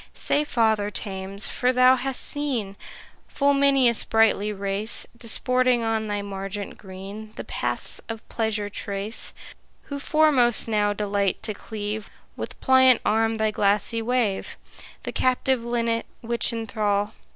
Say, Father Thames, for thou hast seen Full many a sprightly race Disporting on thy margent green The paths of pleasure trace, Who foremost now delight to cleave With pliant arm thy glassy wave? The captive linnet which enthrall?